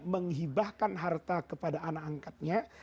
menghibahkan harta kepada anak angkatnya